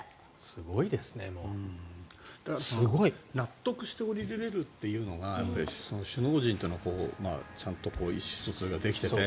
すごいですね。納得して降りられるというのが首脳陣とのちゃんと意思疎通ができていて。